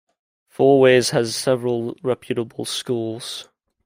Fourways has several reputable schools.